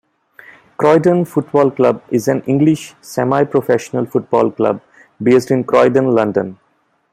Croydon Football Club is an English semi-professional football club based in Croydon, London.